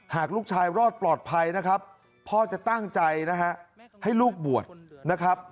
หากลูกชายรอดปลอดภัยนะครับพ่อจะตั้งใจนะฮะให้ลูกบวชนะครับ